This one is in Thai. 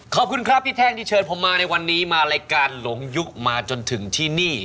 ขอบคุณครับพี่แท่งที่เชิญผมมาในวันนี้มารายการหลงยุคมาจนถึงที่นี่